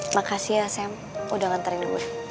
makasih ya sam udah nganterin dulu